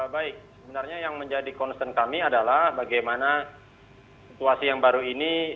baik sebenarnya yang menjadi concern kami adalah bagaimana situasi yang baru ini